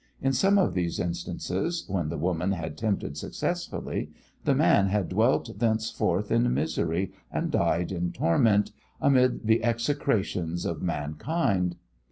In some of these instances, when the woman had tempted successfully, the man had dwelt thenceforth in misery and died in torment, amid the execrations of mankind.